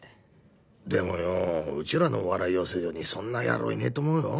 でもようちらのお笑い養成所にそんな野郎いねえと思うぞ。